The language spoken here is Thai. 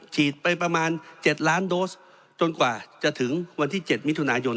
ฉีดไปประมาณ๗ล้านโดสจนกว่าจะถึงวันที่๗มิถุนายน